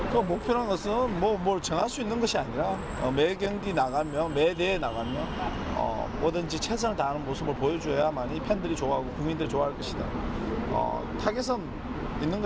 sebagai kgali kejutan legacy c dedication